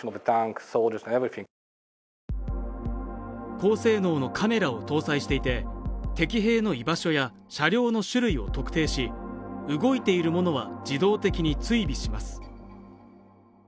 高性能のカメラを搭載していて敵兵の居場所や車両の種類を特定し動いているものは自動的に追尾します